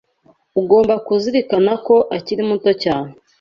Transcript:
Ugomba kuzirikana ko akiri muto cyane.